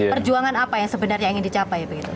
perjuangan apa yang sebenarnya ingin dicapai